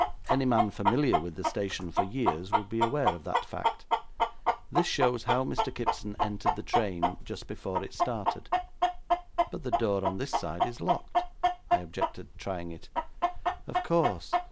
Any man familiar with the station for years would be aware of that fact. This shows how Mr. Kipson entered the train just before it started.' 'But the door on this side is locked,' I objected, trying it. 'Of course.